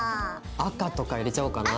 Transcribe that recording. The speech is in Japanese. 赤とか入れちゃおうかな。